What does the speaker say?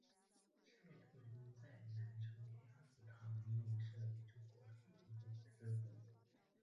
蔡突灵在南昌鸭子塘秘密设立中国同盟会支部。